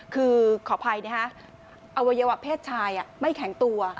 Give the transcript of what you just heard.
คือขออภัยนะฮะอวัยวะเพศชายไม่แข็งตัว